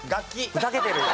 ふざけてるよ。